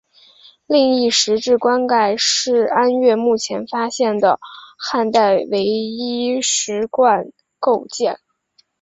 另一石质棺盖是安岳目前发现的汉代唯一石棺构件。